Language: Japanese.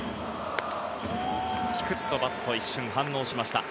ぴくっとバットが一瞬反応しました。